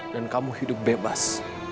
dan kamu hidup bebas